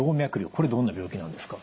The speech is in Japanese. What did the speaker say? これどんな病気なんですか？